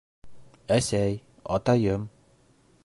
Әсәй, атайым...